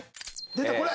出たこれ！